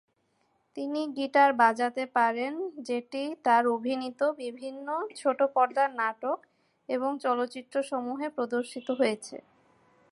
তিনি গিটার বাজাতে পারেন, যেটি তার অভিনীত বিভিন্ন ছোট পর্দার নাটক এবং চলচ্চিত্র সমূহে প্রদর্শিত হয়েছে।